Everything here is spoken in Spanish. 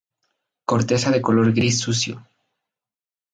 Corteza de color gris sucio.